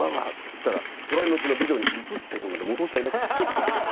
そしたら隣のうちのビデオに映ってるんで戻したりなんかして。